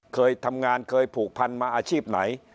เคยทำงานเคยผูกพันมาอาชีพไหน